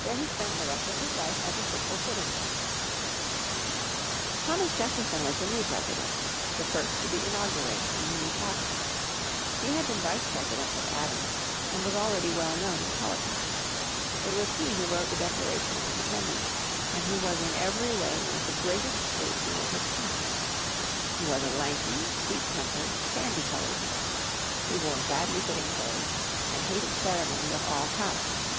There he spent the rest of his life as a simple citizen. Jefferson first President inaugurated in Washington Thomas Jefferson was the next President the first to be inaugurated in the new capital. He had been Vice President with Adams, and was already well known in politics. It was he who wrote the Declaration of Independence, and he was in every way one of the greatest statesmen of his time. He was a lanky, sweet tempered, sandy coloured man. He wore badly fitting clothes, and hated ceremony of all kinds.